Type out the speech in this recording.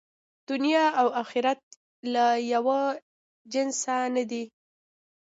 دنیا او آخرت له یوه جنسه نه دي.